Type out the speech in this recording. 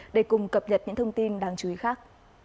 để cùng cập nhật những thông tin đáng chú ý khác